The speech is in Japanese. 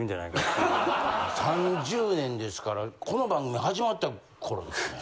３０年ですからこの番組始まった頃ですね。